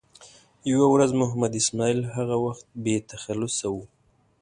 یوه ورځ محمد اسماعیل هغه وخت بې تخلصه و.